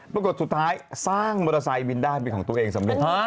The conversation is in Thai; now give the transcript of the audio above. ปรากฏสุดท้ายสร้างมอเตอร์ไซค์บินได้เป็นของตัวเองสำเร็จ